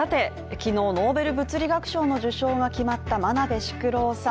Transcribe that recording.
昨日ノーベル物理学賞の受賞が決まった真鍋淑郎さん